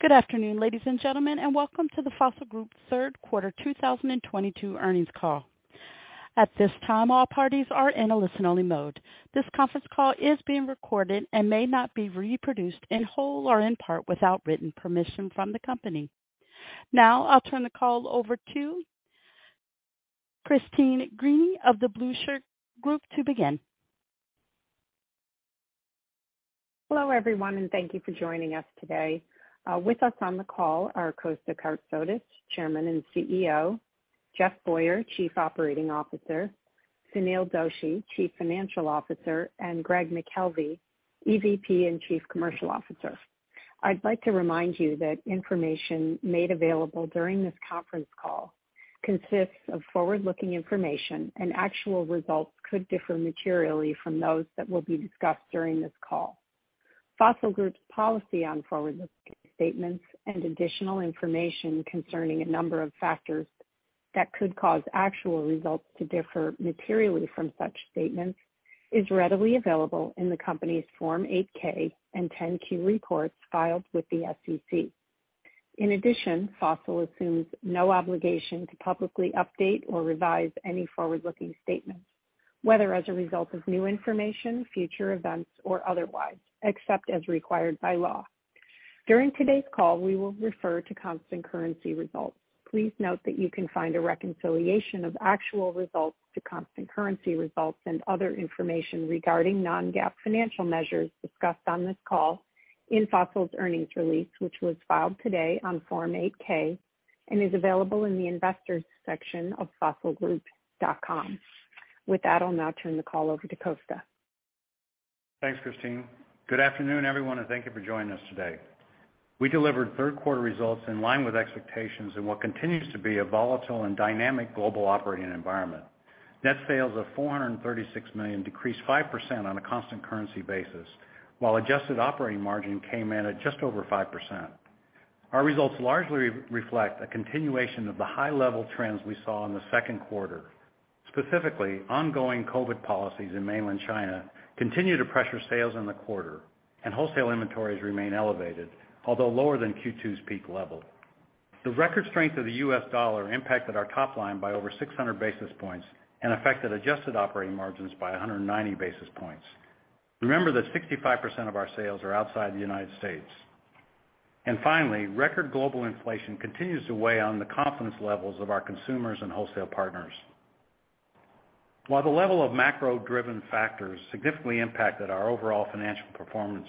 Good afternoon, ladies and gentlemen, and welcome to the Fossil Group Third Quarter 2022 earnings call. At this time, all parties are in a listen-only mode. This conference call is being recorded and may not be reproduced in whole or in part without written permission from the company. Now I'll turn the call over to Christine Greany of The Blueshirt Group to begin. Hello, everyone, and thank you for joining us today. With us on the call are Kosta Kartsotis, Chairman and CEO, Jeff Boyer, Chief Operating Officer, Sunil Doshi, Chief Financial Officer, and Greg McKelvey, EVP and Chief Commercial Officer. I'd like to remind you that information made available during this conference call consists of forward-looking information, and actual results could differ materially from those that will be discussed during this call. Fossil Group's policy on forward-looking statements and additional information concerning a number of factors that could cause actual results to differ materially from such statements is readily available in the company's Form 8-K and 10-Q reports filed with the SEC. In addition, Fossil assumes no obligation to publicly update or revise any forward-looking statements, whether as a result of new information, future events, or otherwise, except as required by law. During today's call, we will refer to constant currency results. Please note that you can find a reconciliation of actual results to constant currency results and other information regarding non-GAAP financial measures discussed on this call in Fossil's earnings release, which was filed today on Form 8-K and is available in the Investors section of fossilgroup.com. With that, I'll now turn the call over to Kosta. Thanks, Christine. Good afternoon, everyone, and thank you for joining us today. We delivered third quarter results in line with expectations in what continues to be a volatile and dynamic global operating environment. Net sales of $436 million decreased 5% on a constant currency basis, while adjusted operating margin came in at just over 5%. Our results largely reflect a continuation of the high level trends we saw in the second quarter. Specifically, ongoing COVID policies in mainland China continue to pressure sales in the quarter and wholesale inventories remain elevated, although lower than Q2's peak level. The record strength of the U.S. dollar impacted our top line by over 600 basis points and affected adjusted operating margins by 190 basis points. Remember that 65% of our sales are outside the United States. Finally, record global inflation continues to weigh on the confidence levels of our consumers and wholesale partners. While the level of macro-driven factors significantly impacted our overall financial performance,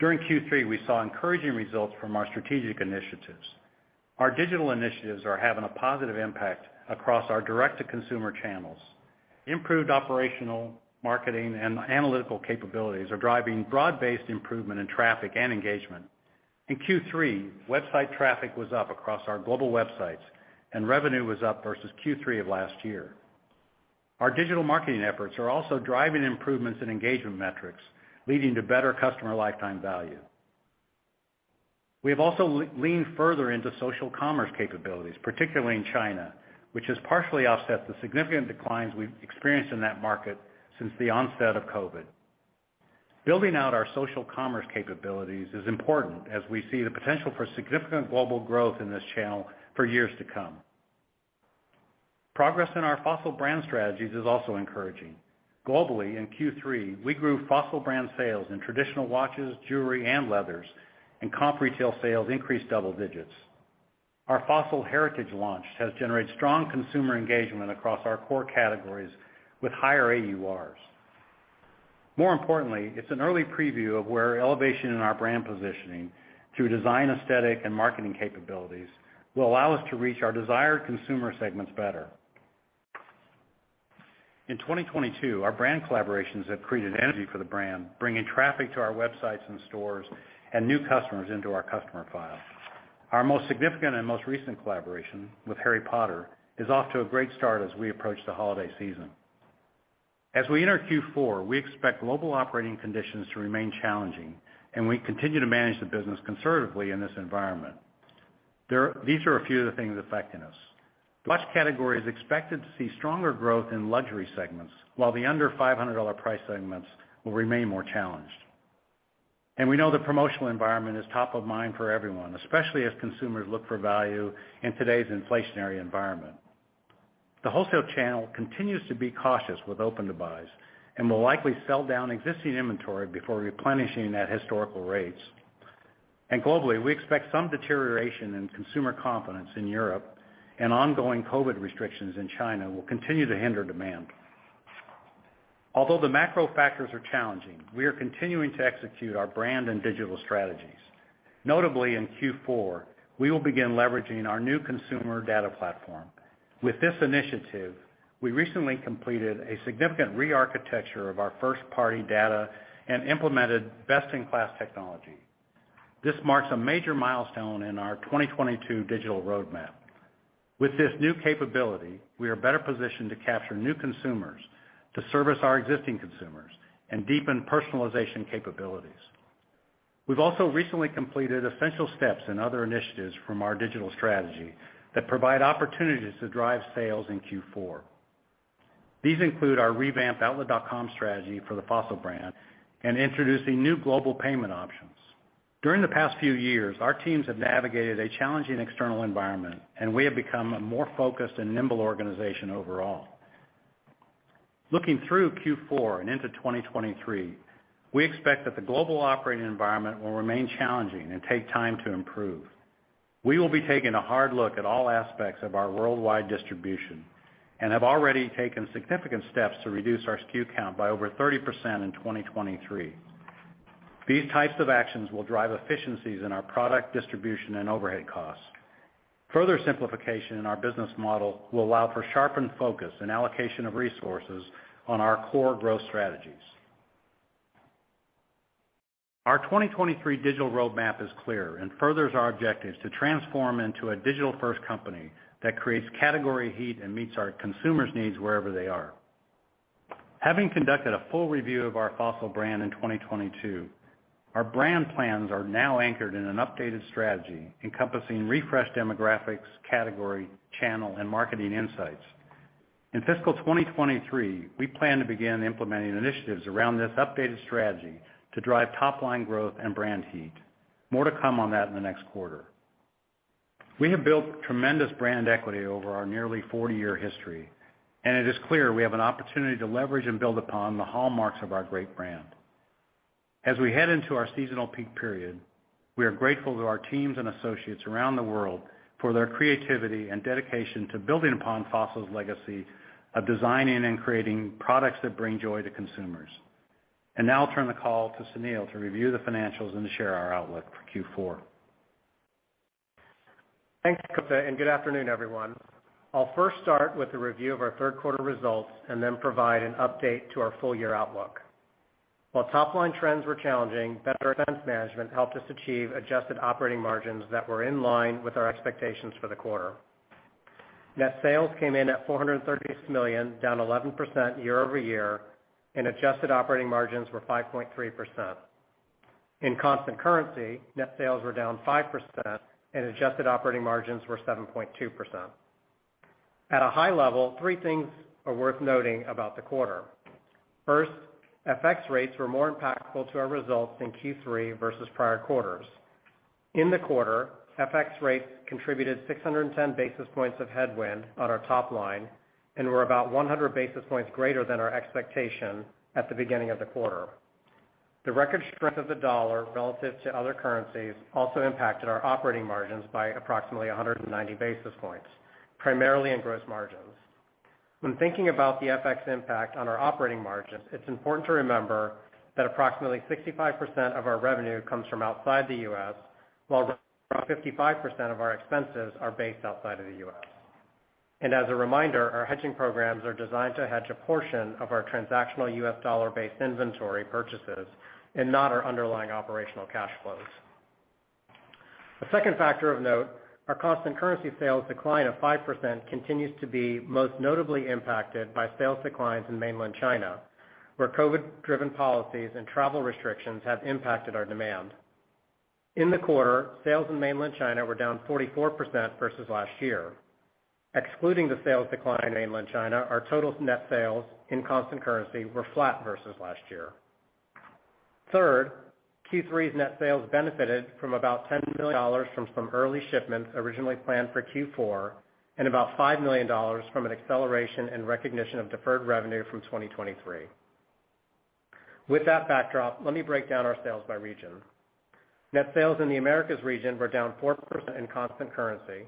during Q3, we saw encouraging results from our strategic initiatives. Our digital initiatives are having a positive impact across our direct-to-consumer channels. Improved operational, marketing, and analytical capabilities are driving broad-based improvement in traffic and engagement. In Q3, website traffic was up across our global websites and revenue was up versus Q3 of last year. Our digital marketing efforts are also driving improvements in engagement metrics, leading to better customer lifetime value. We have also leaned further into social commerce capabilities, particularly in China, which has partially offset the significant declines we've experienced in that market since the onset of COVID. Building out our social commerce capabilities is important as we see the potential for significant global growth in this channel for years to come. Progress in our Fossil brand strategies is also encouraging. Globally, in Q3, we grew Fossil brand sales traditional watches, jewelry, and leathers, and comp retail sales increased double digits. Our Fossil Heritage launch has generated strong consumer engagement across our core categories with higher AURs. More importantly, it's an early preview of where elevation in our brand positioning through design aesthetic and marketing capabilities will allow us to reach our desired consumer segments better. In 2022, our brand collaborations have created energy for the brand, bringing traffic to our websites and stores and new customers into our customer file. Our most significant and most recent collaboration with Harry Potter is off to a great start as we approach the holiday season. As we enter Q4, we expect global operating conditions to remain challenging and we continue to manage the business conservatively in this environment. These are a few of the things affecting us. Watch category is expected to see stronger growth in luxury segments, while the under $500 price segments will remain more challenged. We know the promotional environment is top of mind for everyone, especially as consumers look for value in today's inflationary environment. The wholesale channel continues to be cautious with open-to-buys and will likely sell down existing inventory before replenishing at historical rates. Globally, we expect some deterioration in consumer confidence in Europe and ongoing COVID restrictions in China will continue to hinder demand. Although the macro factors are challenging, we are continuing to execute our brand and digital strategies. Notably, in Q4, we will begin leveraging our new consumer data platform. With this initiative, we recently completed a significant rearchitecture of our first-party data and implemented best-in-class technology. This marks a major milestone in our 2022 digital roadmap. With this new capability, we are better positioned to capture new consumers, to service our existing consumers, and deepen personalization capabilities. We've also recently completed essential steps in other initiatives from our digital strategy that provide opportunities to drive sales in Q4. These include our revamped outlet.com strategy for the Fossil brand and introducing new global payment options. During the past few years, our teams have navigated a challenging external environment, and we have become a more focused and nimble organization overall. Looking through Q4 and into 2023, we expect that the global operating environment will remain challenging and take time to improve. We will be taking a hard look at all aspects of our worldwide distribution and have already taken significant steps to reduce our SKU count by over 30% in 2023. These types of actions will drive efficiencies in our product distribution and overhead costs. Further simplification in our business model will allow for sharpened focus and allocation of resources on our core growth strategies. Our 2023 digital roadmap is clear and furthers our objectives to transform into a digital-first company that creates category heat and meets our consumers' needs wherever they are. Having conducted a full review of our Fossil brand in 2022, our brand plans are now anchored in an updated strategy encompassing refreshed demographics, category, channel, and marketing insights. In fiscal 2023, we plan to begin implementing initiatives around this updated strategy to drive top-line growth and brand heat. More to come on that in the next quarter. We have built tremendous brand equity over our nearly 40-year history, and it is clear we have an opportunity to leverage and build upon the hallmarks of our great brand. As we head into our seasonal peak period, we are grateful to our teams and associates around the world for their creativity and dedication to building upon Fossil's legacy of designing and creating products that bring joy to consumers. Now I'll turn the call to Sunil to review the financials and share our outlook for Q4. Thanks, Kosta, and good afternoon, everyone. I'll first start with a review of our third quarter results and then provide an update to our full year outlook. While top-line trends were challenging, better expense management helped us achieve adjusted operating margins that were in line with our expectations for the quarter. Net sales came in at $430 million, down 11% year-over-year, and adjusted operating margins were 5.3%. In constant currency, net sales were down 5% and adjusted operating margins were 7.2%. At a high level, three things are worth noting about the quarter. First, FX rates were more impactful to our results in Q3 versus prior quarters. In the quarter, FX rates contributed 610 basis points of headwind on our top line and were about 100 basis points greater than our expectation at the beginning of the quarter. The record strength of the dollar relative to other currencies also impacted our operating margins by approximately 190 basis points, primarily in gross margins. When thinking about the FX impact on our operating margins, it's important to remember that approximately 65% of our revenue comes from outside the U.S., while roughly 55% of our expenses are based outside of the U.S. As a reminder, our hedging programs are designed to hedge a portion of our transactional U.S. dollar-based inventory purchases and not our underlying operational cash flows. A second factor of note, our constant currency sales decline of 5% continues to be most notably impacted by sales declines in Mainland China, where COVID-driven policies and travel restrictions have impacted our demand. In the quarter, sales in Mainland China were down 44% versus last year. Excluding the sales decline in Mainland China, our total net sales in constant currency were flat versus last year. Third, Q3's net sales benefited from about $10 million from some early shipments originally planned for Q4 and about $5 million from an acceleration and recognition of deferred revenue from 2023. With that backdrop, let me break down our sales by region. Net sales in the Americas region were down 4% in constant currency.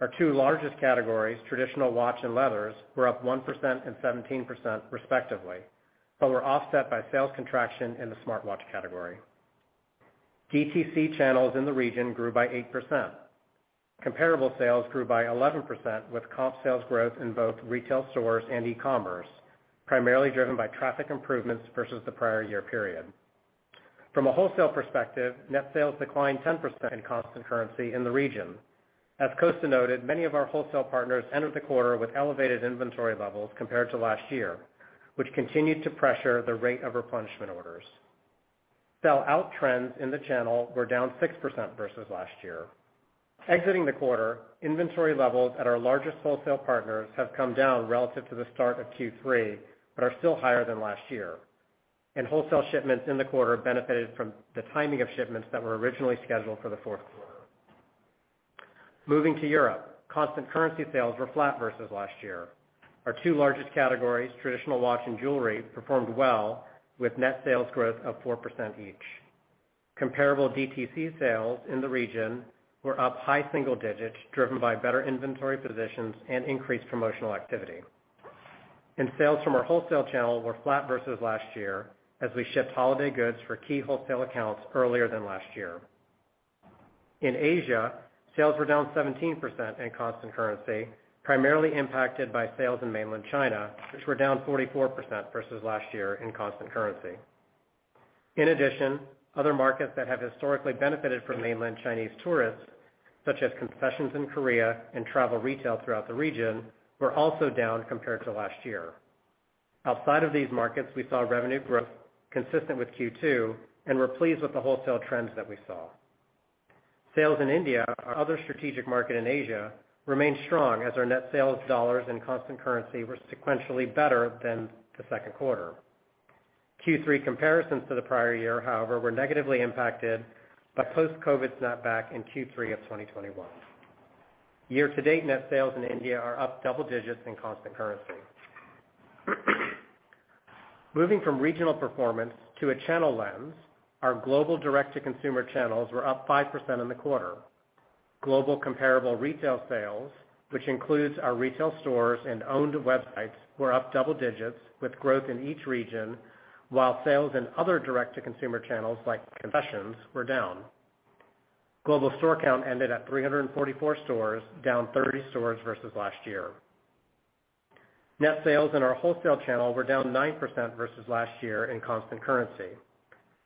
Our two largest traditional watch and leathers, were up 1% and 17% respectively, but were offset by sales contraction in the smartwatch category. DTC channels in the region grew by 8%. Comparable sales grew by 11% with comp sales growth in both retail stores and e-commerce, primarily driven by traffic improvements versus the prior year period. From a wholesale perspective, net sales declined 10% in constant currency in the region. As Kosta noted, many of our wholesale partners entered the quarter with elevated inventory levels compared to last year, which continued to pressure the rate of replenishment orders. Sell out trends in the channel were down 6% versus last year. Exiting the quarter, inventory levels at our largest wholesale partners have come down relative to the start of Q3, but are still higher than last year, and wholesale shipments in the quarter benefited from the timing of shipments that were originally scheduled for the fourth quarter. Moving to Europe, constant currency sales were flat versus last year. Our two largest traditional watch and jewelry, performed well with net sales growth of 4% each. Comparable DTC sales in the region were up high single digits, driven by better inventory positions and increased promotional activity. Sales from our wholesale channel were flat versus last year as we shipped holiday goods for key wholesale accounts earlier than last year. In Asia, sales were down 17% in constant currency, primarily impacted by sales in Mainland China, which were down 44% versus last year in constant currency. In addition, other markets that have historically benefited from Mainland Chinese tourists, such as concessions in Korea and travel retail throughout the region, were also down compared to last year. Outside of these markets, we saw revenue growth consistent with Q2 and were pleased with the wholesale trends that we saw. Sales in India, our other strategic market in Asia, remain strong as our net sales dollars and constant currency were sequentially better than the second quarter. Q3 comparisons to the prior year, however, were negatively impacted by post-COVID snapback in Q3 of 2021. Year-to-date net sales in India are up double digits in constant currency. Moving from regional performance to a channel lens, our global direct-to-consumer channels were up 5% in the quarter. Global comparable retail sales, which includes our retail stores and owned websites, were up double digits with growth in each region, while sales in other direct-to-consumer channels like concessions were down. Global store count ended at 344 stores, down 30 stores versus last year. Net sales in our wholesale channel were down 9% versus last year in constant currency.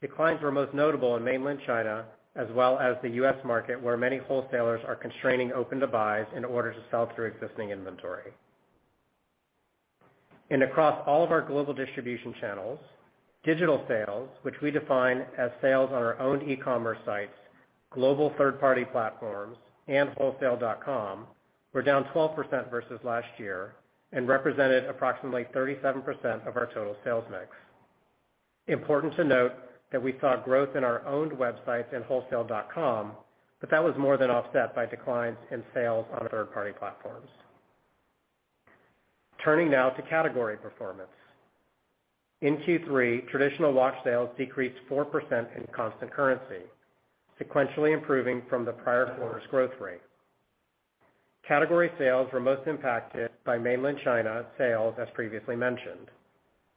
Declines were most notable in Mainland China as well as the U.S. market, where many wholesalers are constraining open to buys in order to sell through existing inventory. Across all of our global distribution channels, digital sales, which we define as sales on our own e-commerce sites, global third-party platforms and wholesale.com, were down 12% versus last year and represented approximately 37% of our total sales mix. Important to note that we saw growth in our owned websites and wholesale.com, but that was more than offset by declines in sales on third-party platforms. Turning now to category performance. In traditional watch sales decreased 4% in constant currency, sequentially improving from the prior quarter's growth rate. Category sales were most impacted by Mainland China sales, as previously mentioned.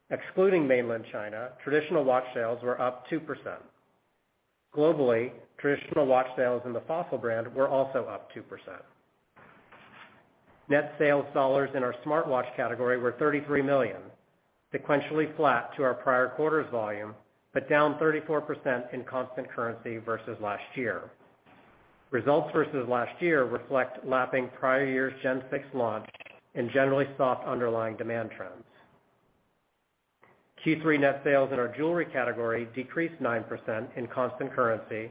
Excluding Mainland traditional watch sales were up 2%. traditional watch sales in the Fossil brand were also up 2%. Net sales dollars in our smartwatch category were $33 million, sequentially flat to our prior quarter's volume, but down 34% in constant currency versus last year. Results versus last year reflect lapping prior year's Gen 6 launch and generally soft underlying demand trends. Q3 net sales in our jewelry category decreased 9% in constant currency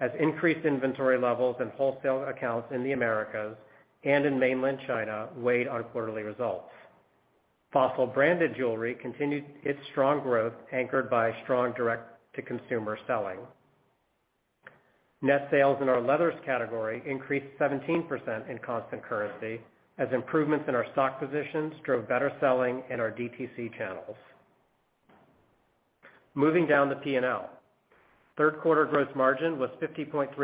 as increased inventory levels and wholesale accounts in the Americas and in Mainland China weighed on quarterly results. Fossil-branded jewelry continued its strong growth, anchored by strong direct-to-consumer selling. Net sales in our leathers category increased 17% in constant currency as improvements in our stock positions drove better selling in our DTC channels. Moving down the P&L. Third quarter gross margin was 50.3%,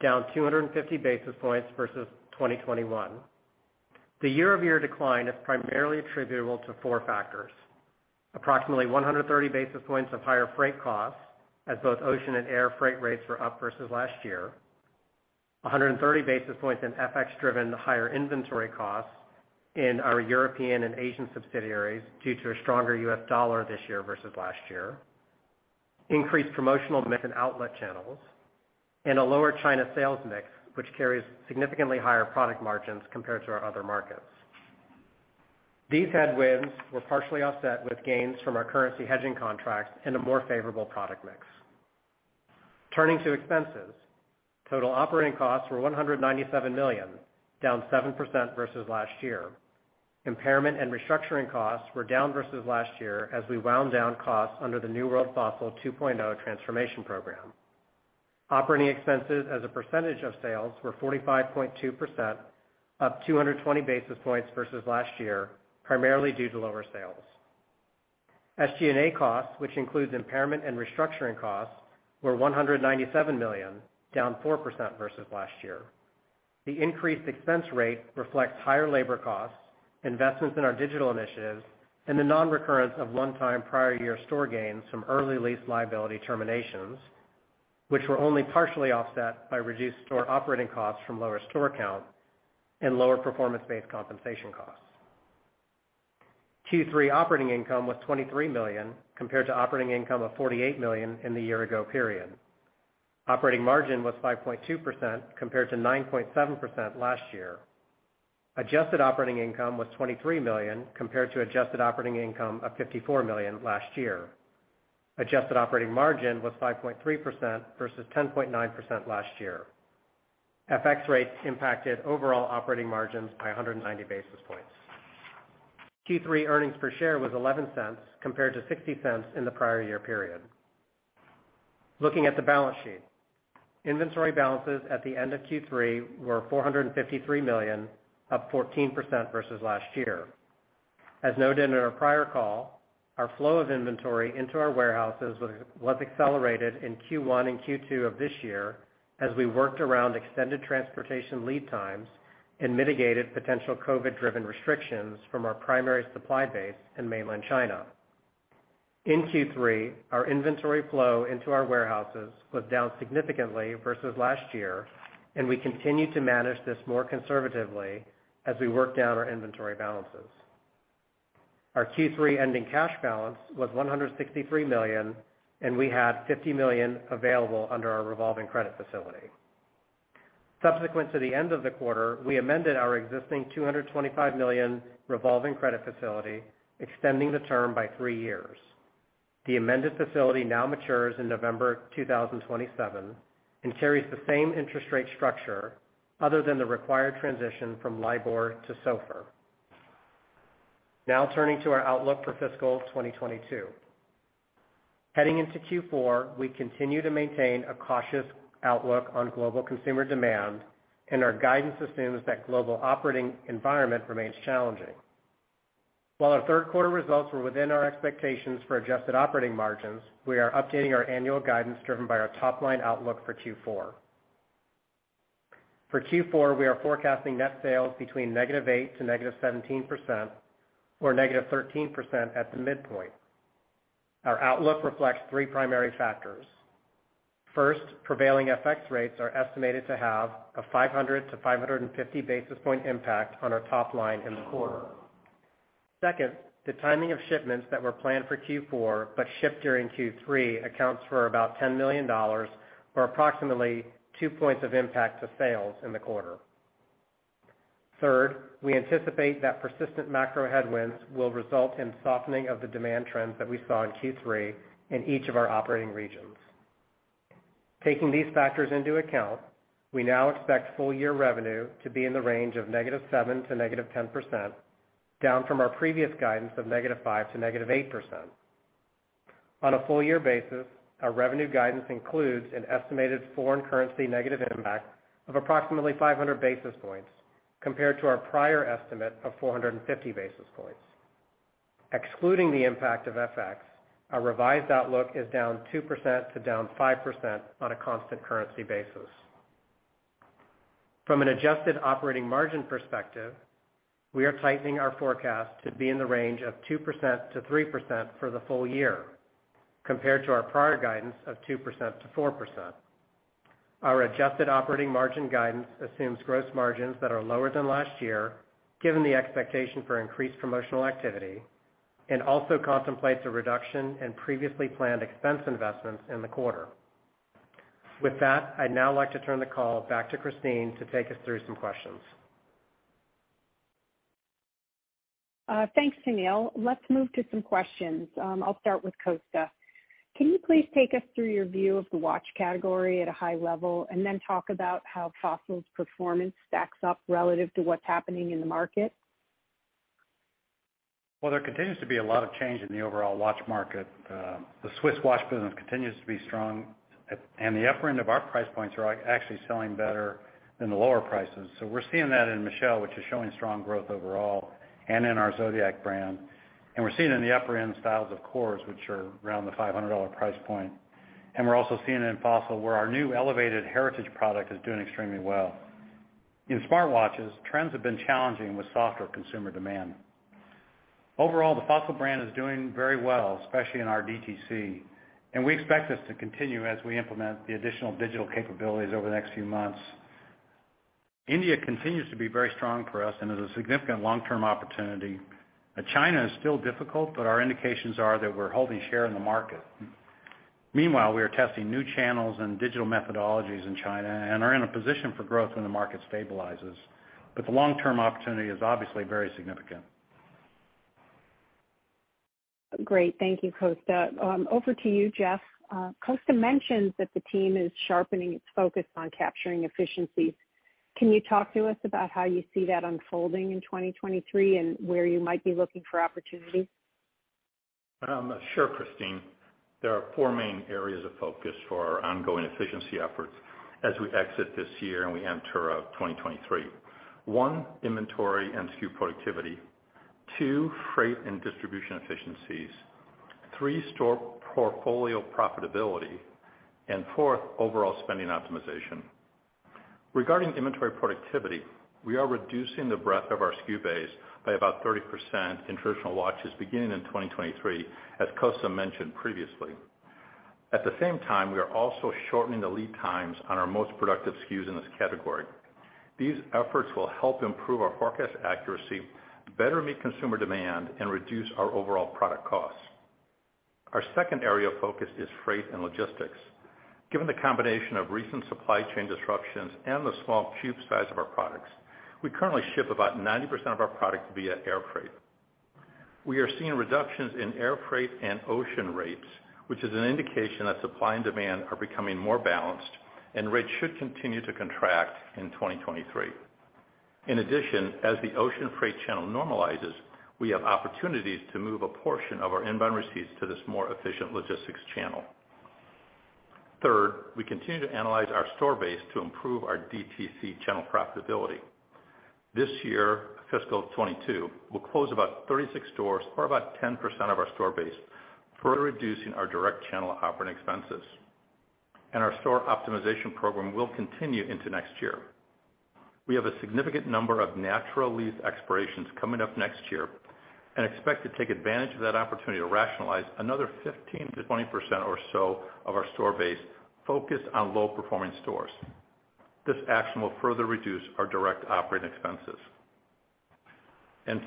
down 250 basis points versus 2021. The year-over-year decline is primarily attributable to four factors. Approximately 130 basis points of higher freight costs, as both ocean and air freight rates were up versus last year. 130 basis points in FX-driven higher inventory costs in our European and Asian subsidiaries due to a stronger U.S. dollar this year versus last year. Increased promotional mix in outlet channels, and a lower China sales mix, which carries significantly higher product margins compared to our other markets. These headwinds were partially offset with gains from our currency hedging contracts and a more favorable product mix. Turning to expenses. Total operating costs were $197 million, down 7% versus last year. Impairment and restructuring costs were down versus last year as we wound down costs under the New World Fossil 2.0 transformation program. Operating expenses as a percentage of sales were 45.2%, up 220 basis points versus last year, primarily due to lower sales. SG&A costs, which includes impairment and restructuring costs, were $197 million, down 4% versus last year. The increased expense rate reflects higher labor costs, investments in our digital initiatives, and the non-recurrence of one-time prior year store gains from early lease liability terminations, which were only partially offset by reduced store operating costs from lower store count and lower performance-based compensation costs. Q3 operating income was $23 million, compared to operating income of $48 million in the year ago period. Operating margin was 5.2% compared to 9.7% last year. Adjusted operating income was $23 million compared to adjusted operating income of $54 million last year. Adjusted operating margin was 5.3% versus 10.9% last year. FX rates impacted overall operating margins by 190 basis points. Q3 earnings per share was $0.11 compared to $0.60 in the prior year period. Looking at the balance sheet. Inventory balances at the end of Q3 were $453 million, up 14% versus last year. As noted in our prior call, our flow of inventory into our warehouses was accelerated in Q1 and Q2 of this year as we worked around extended transportation lead times and mitigated potential COVID-driven restrictions from our primary supply base in Mainland China. In Q3, our inventory flow into our warehouses was down significantly versus last year, and we continue to manage this more conservatively as we work down our inventory balances. Our Q3 ending cash balance was $163 million, and we had $50 million available under our revolving credit facility. Subsequent to the end of the quarter, we amended our existing $225 million revolving credit facility, extending the term by three years. The amended facility now matures in November 2027 and carries the same interest rate structure other than the required transition from LIBOR to SOFR. Now turning to our outlook for fiscal 2022. Heading into Q4, we continue to maintain a cautious outlook on global consumer demand, and our guidance assumes that global operating environment remains challenging. While our third quarter results were within our expectations for adjusted operating margins, we are updating our annual guidance driven by our top-line outlook for Q4. For Q4, we are forecasting net sales between -8% to -17% or -13% at the midpoint. Our outlook reflects three primary factors. First, prevailing FX rates are estimated to have a 500-550 basis point impact on our top line in the quarter. Second, the timing of shipments that were planned for Q4 but shipped during Q3 accounts for about $10 million or approximately two points of impact to sales in the quarter. Third, we anticipate that persistent macro headwinds will result in softening of the demand trends that we saw in Q3 in each of our operating regions. Taking these factors into account, we now expect full year revenue to be in the range of -7% to -10%, down from our previous guidance of -5% to -8%. On a full year basis, our revenue guidance includes an estimated foreign currency negative impact of approximately 500 basis points compared to our prior estimate of 450 basis points. Excluding the impact of FX, our revised outlook is down 2% to down 5% on a constant currency basis. From an adjusted operating margin perspective, we are tightening our forecast to be in the range of 2%-3% for the full year compared to our prior guidance of 2%-4%. Our adjusted operating margin guidance assumes gross margins that are lower than last year, given the expectation for increased promotional activity, and also contemplates a reduction in previously planned expense investments in the quarter. With that, I'd now like to turn the call back to Christine to take us through some questions. Thanks, Sunil. Let's move to some questions. I'll start with Kosta. Can you please take us through your view of the watch category at a high level, and then talk about how Fossil's performance stacks up relative to what's happening in the market? Well, there continues to be a lot of change in the overall watch market. The Swiss watch business continues to be strong, and the upper end of our price points are actually selling better than the lower prices. We're seeing that in MICHELE, which is showing strong growth overall, and in our Zodiac brand. We're seeing it in the upper-end styles, of course, which are around the $500 price point. We're also seeing it in Fossil, where our new elevated Heritage product is doing extremely well. In smartwatches, trends have been challenging with softer consumer demand. Overall, the Fossil brand is doing very well, especially in our DTC, and we expect this to continue as we implement the additional digital capabilities over the next few months. India continues to be very strong for us and is a significant long-term opportunity. China is still difficult, but our indications are that we're holding share in the market. Meanwhile, we are testing new channels and digital methodologies in China and are in a position for growth when the market stabilizes. The long-term opportunity is obviously very significant. Great. Thank you, Kosta. Over to you, Jeff. Kosta mentioned that the team is sharpening its focus on capturing efficiencies. Can you talk to us about how you see that unfolding in 2023 and where you might be looking for opportunities? Sure, Christine. There are four main areas of focus for our ongoing efficiency efforts as we exit this year and we enter 2023. One, inventory and SKU productivity, two, freight and distribution efficiencies, three, store portfolio profitability, and fourth, overall spending optimization. Regarding inventory productivity, we are reducing the breadth of our SKU base by about 30% traditional watches beginning in 2023, as Kosta mentioned previously. At the same time, we are also shortening the lead times on our most productive SKUs in this category. These efforts will help improve our forecast accuracy, better meet consumer demand, and reduce our overall product costs. Our second area of focus is freight and logistics. Given the combination of recent supply chain disruptions and the small cube size of our products, we currently ship about 90% of our product via air freight. We are seeing reductions in air freight and ocean rates, which is an indication that supply and demand are becoming more balanced and rates should continue to contract in 2023. In addition, as the ocean freight channel normalizes, we have opportunities to move a portion of our inbound receipts to this more efficient logistics channel. Third, we continue to analyze our store base to improve our DTC channel profitability. This year, fiscal 2022, we'll close about 36 stores or about 10% of our store base, further reducing our direct channel operating expenses. Our store optimization program will continue into next year. We have a significant number of natural lease expirations coming up next year and expect to take advantage of that opportunity to rationalize another 15%-20% or so of our store base focused on low-performing stores. This action will further reduce our direct operating expenses.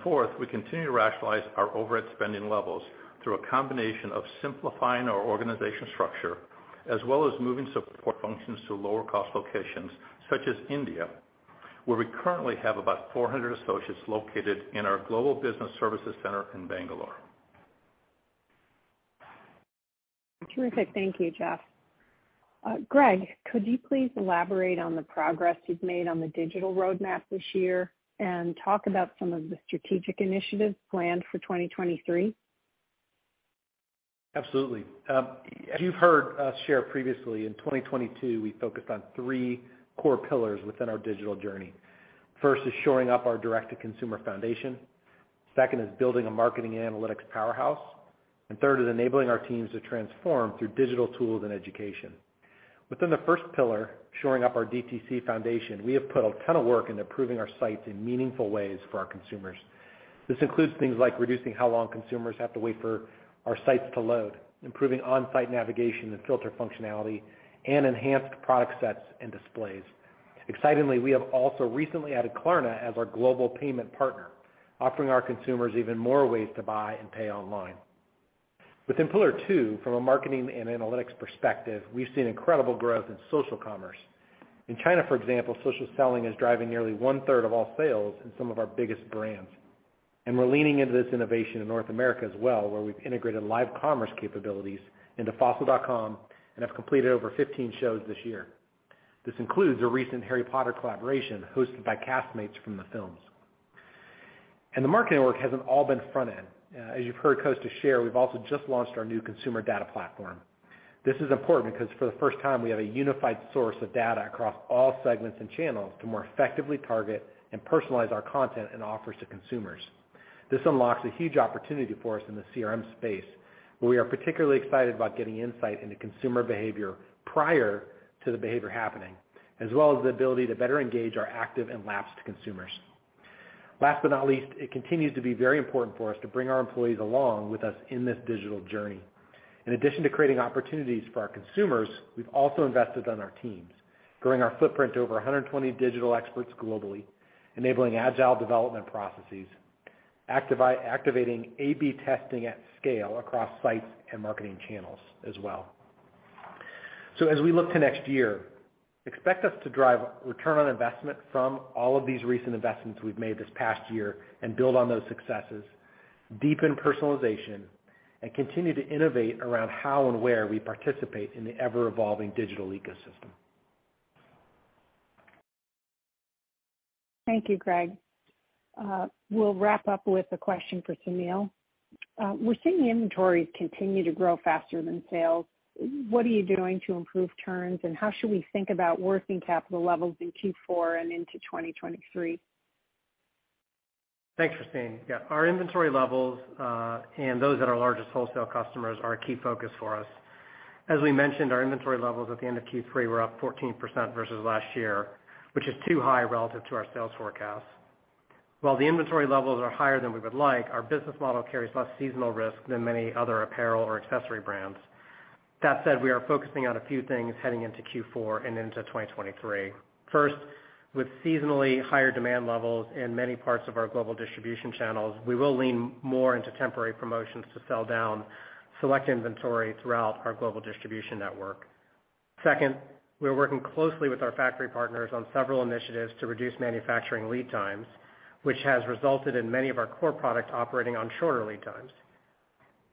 Fourth, we continue to rationalize our overhead spending levels through a combination of simplifying our organization structure, as well as moving support functions to lower cost locations such as India, where we currently have about 400 associates located in our global business services center in Bangalore. Terrific. Thank you, Jeff. Greg, could you please elaborate on the progress you've made on the digital roadmap this year and talk about some of the strategic initiatives planned for 2023? Absolutely. As you've heard us share previously, in 2022, we focused on three core pillars within our digital journey. First is shoring up our direct-to-consumer foundation. Second is building a marketing analytics powerhouse. Third is enabling our teams to transform through digital tools and education. Within the first pillar, shoring up our DTC foundation, we have put a ton of work into improving our sites in meaningful ways for our consumers. This includes things like reducing how long consumers have to wait for our sites to load, improving on-site navigation and filter functionality, and enhanced product sets and displays. Excitingly, we have also recently added Klarna as our global payment partner, offering our consumers even more ways to buy and pay online. Within pillar two, from a marketing and analytics perspective, we've seen incredible growth in social commerce. In China, for example, social selling is driving nearly 1/3 of all sales in some of our biggest brands. We're leaning into this innovation in North America as well, where we've integrated live commerce capabilities into fossil.com and have completed over 15 shows this year. This includes a recent Harry Potter collaboration hosted by castmates from the films. The marketing work hasn't all been front end. As you've heard Kosta share, we've also just launched our new consumer data platform. This is important because for the first time, we have a unified source of data across all segments and channels to more effectively target and personalize our content and offers to consumers. This unlocks a huge opportunity for us in the CRM space, where we are particularly excited about getting insight into consumer behavior prior to the behavior happening, as well as the ability to better engage our active and lapsed consumers. Last but not least, it continues to be very important for us to bring our employees along with us in this digital journey. In addition to creating opportunities for our consumers, we've also invested on our teams, growing our footprint to over 120 digital experts globally, enabling agile development processes, activating A/B testing at scale across sites and marketing channels as well. As we look to next year, expect us to drive return on investment from all of these recent investments we've made this past year and build on those successes, deepen personalization, and continue to innovate around how and where we participate in the ever-evolving digital ecosystem. Thank you, Greg. We'll wrap up with a question for Sunil. We're seeing inventories continue to grow faster than sales. What are you doing to improve turns, and how should we think about working capital levels in Q4 and into 2023? Thanks, Christine. Yeah, our inventory levels and those at our largest wholesale customers are a key focus for us. As we mentioned, our inventory levels at the end of Q3 were up 14% versus last year, which is too high relative to our sales forecast. While the inventory levels are higher than we would like, our business model carries less seasonal risk than many other apparel or accessory brands. That said, we are focusing on a few things heading into Q4 and into 2023. First, with seasonally higher demand levels in many parts of our global distribution channels, we will lean more into temporary promotions to sell down select inventory throughout our global distribution network. Second, we are working closely with our factory partners on several initiatives to reduce manufacturing lead times, which has resulted in many of our core products operating on shorter lead times.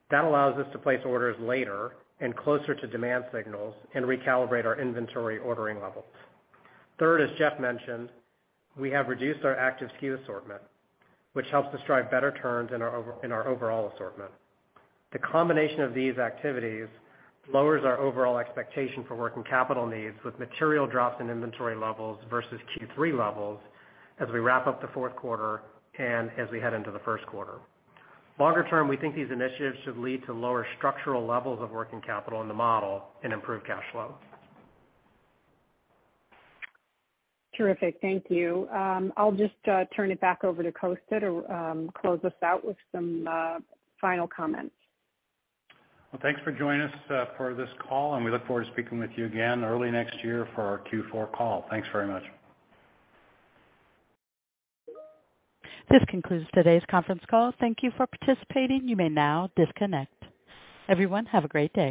That allows us to place orders later and closer to demand signals and recalibrate our inventory ordering levels. Third, as Jeff mentioned, we have reduced our active SKU assortment, which helps us drive better turns in our overall assortment. The combination of these activities lowers our overall expectation for working capital needs with material drops in inventory levels versus Q3 levels as we wrap up the fourth quarter and as we head into the first quarter. Longer term, we think these initiatives should lead to lower structural levels of working capital in the model and improve cash flow. Terrific. Thank you. I'll just turn it back over to Kosta to close us out with some final comments. Well, thanks for joining us, for this call, and we look forward to speaking with you again early next year for our Q4 call. Thanks very much. This concludes today's conference call. Thank you for participating. You may now disconnect. Everyone, have a great day.